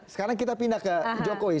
sekarang kita pindah ke jokowi